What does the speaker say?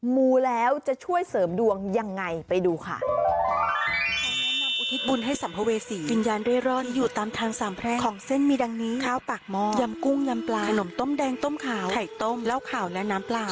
มูแล้วจะช่วยเสริมดวงยังไงไปดูค่ะ